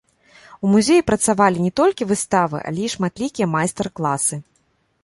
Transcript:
У музеі працавалі не толькі выставы, але і шматлікія майстар-класы.